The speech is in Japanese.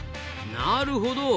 なるほど。